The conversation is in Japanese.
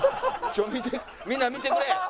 見てみんな見てくれ。